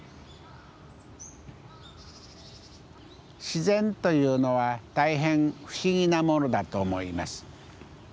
自然というのは大変不思議なものだと思います。